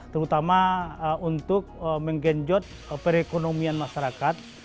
terutama untuk menggenjot perekonomian masyarakat